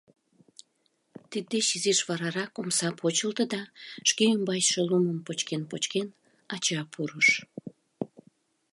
Тиддеч изиш варарак омса почылто да, шке ӱмбачше лумым почкен-почкен, ача пурыш.